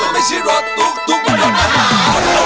มันไม่ใช่รถตุ๊กตุ๊กมันรถมหาสนุก